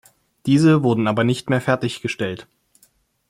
Diese wurden aber nicht mehr fertiggestellt.